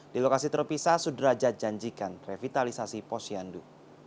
di lokasi terpisah sudrajat janjikan revitalisasi posyandu